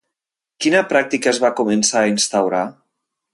Quina pràctica es va començar a instaurar?